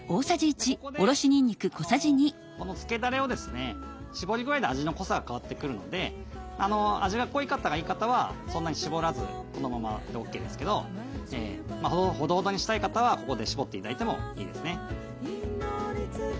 ここでこのつけだれをですねしぼり具合で味の濃さが変わってくるので味が濃い方がいい方はそんなにしぼらずこのままでＯＫですけどほどほどにしたい方はここでしぼって頂いてもいいですね。